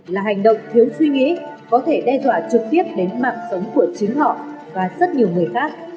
là hành động thiếu suy nghĩ có thể đe dọa trực tiếp đến mạng sống của chính họ và rất nhiều người khác